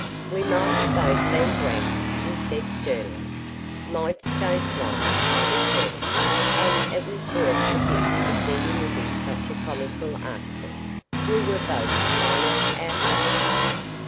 "We might have both been drowned," he said sternly. "Mights don't fly," I returned. "And it was worth the dip to see you looking such a comical article." We were both minus our hats.